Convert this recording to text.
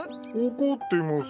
怒ってますよ。